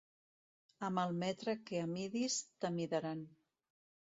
Amb el metre que amidis t'amidaran.